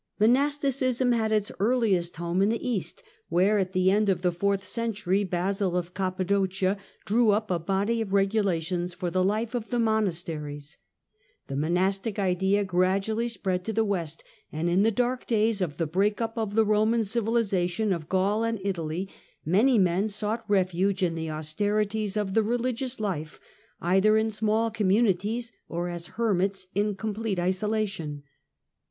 Monasticism had its earliest home in the east, where, it the end of the fourth century, Basil of Cappadocia Irew up a body of regulations for the life of the monas eries. The monastic idea gradually spread to the west, ind in the dark days of the break up of the Roman ;ivilisation of Gaul and Italy many men sought refuge n the austerities of the religious life, either in small iommunities or as hermits in complete isolation.